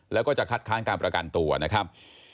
แล้วก็จะคัดค้านการประกันตัวนะครับ